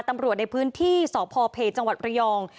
ตำรวจในพื้นที่สพเพจังหวัดระยอง